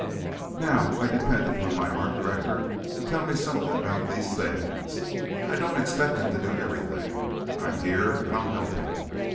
Now I depend upon my art director to tell me something about these things. I don't expect him to do everything. I'm here and I'll help him.